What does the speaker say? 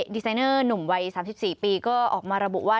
ดีไซเนอร์หนุ่มวัย๓๔ปีก็ออกมาระบุว่า